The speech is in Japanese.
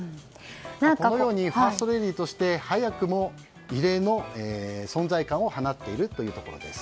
このようにファーストレディーとして早くも異例の存在感を放っているということです。